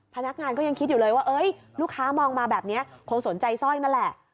พนักงานก็ยังคิดอยู่เลยว่าลูกค้ามองมาแบบนี้คงสนใจสร้อยนั่นแหละ